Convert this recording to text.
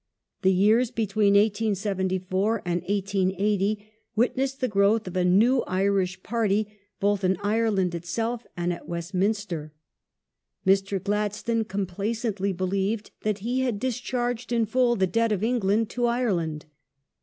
The years between 1874 and 1880 witnessed the growth of a new Irish party, lx)th in Ire land itself and at Westminster. Mr. Gladstone complacently believed that he had discharged in full the debt of England to Ireland.